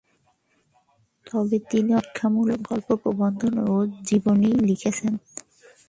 তবে তিনি অনেক শিক্ষামূলক গল্প, প্রবন্ধ ও জীবনী লিখেছেন।